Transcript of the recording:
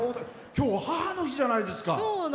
きょうは母の日じゃないですか。